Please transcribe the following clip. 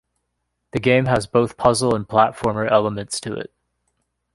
The game has both puzzle and platformer elements to it.